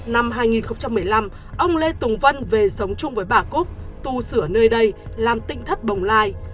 năm hai nghìn một mươi năm ông lê tùng vân về sống chung với bà cúc tu sửa nơi đây làm tinh thất bồng lai